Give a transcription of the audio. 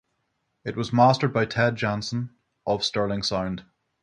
It was mastered by Ted Jensen of Sterling Sound.